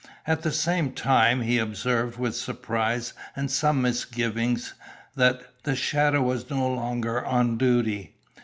At the same time he observed with surprise and some misgiving that the shadow was no longer on duty.